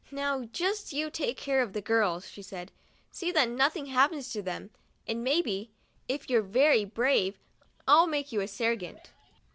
'Now just you take care of the girls," she said; "see that nothing happens to them, and maybe, if you're very brave, I'll make you a sergeant."